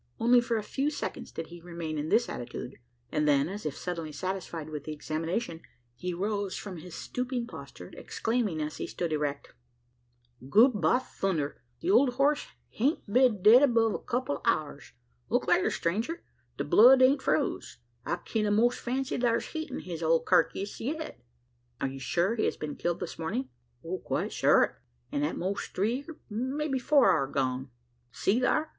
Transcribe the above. Only for a few seconds did he remain in this attitude; and then, as if suddenly satisfied with the examination, he rose from his stooping posture, exclaiming as he stood erect: "Good, by thunder! The old horse hain't been dead 'bove a kupple o' hours. Look thar, stranger! the blood ain't froze? I kin a'most fancy thar's heat in his old karkiss yet!" "You are sure he has been killed this morning?" "Quite sure o't; an' at most three, or may be four hour agone. See thar!"